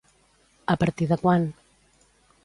A partir de quan?